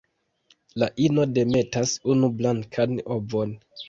La ino demetas unu blankan ovon.